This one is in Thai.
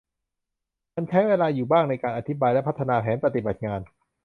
มันใช้เวลาอยู่บ้างในการอธิบายและพัฒนาแผนปฏิบัติงาน